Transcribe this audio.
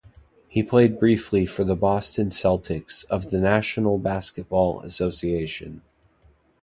He played briefly for the Boston Celtics of the National Basketball Association.